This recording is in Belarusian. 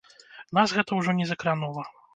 Нас гэта ўжо не закранула.